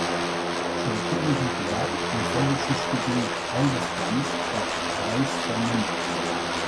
Sortí de titular i fou substituït al descans per Àlex Fernández.